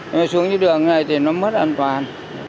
nếu xuống dưới đường này thì nó mất an toàn